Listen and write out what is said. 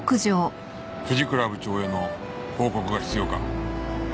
藤倉部長への報告が必要か？